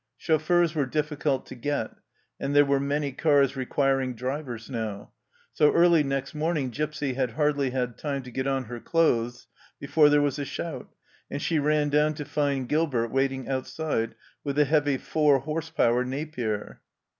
Chauffeurs were difficult to get, and there were many cars requiring drivers now ; so early next morning Gipsy had hardly had time to get on her clothes before there was a shout, and she ran down to find Gilbert waiting outside with the heavy 40 h.p. Napier.